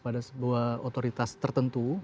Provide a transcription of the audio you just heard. pada sebuah otoritas tertentu